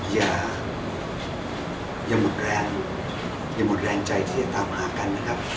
อย่าหมดแรงใจที่จะตามหากัน